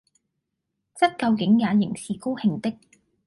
則究竟也仍然是高興的。